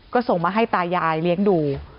ก็ส่งมาให้ตายายเลี้ยงดู